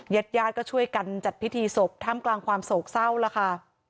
ญาติญาติก็ช่วยกันจัดพิธีศพท่ามกลางความโศกเศร้าแล้วค่ะ